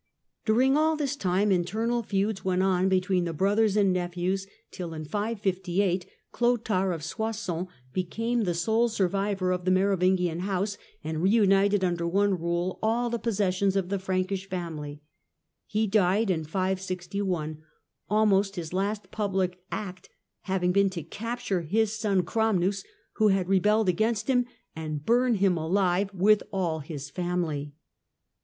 THE RISE OF THE FRANKS 51 iring all this time internal feuds went on between the brothers and nephews, till, in 558, Clotair of Soissons became the sole survivor of the Merovingian house, and reunited under one rule all the possessions of the Frankish family. He died in 561, almost his last public act having been to capture his son Chramnus, who had rebelled against him, and burn him alive, with all his family.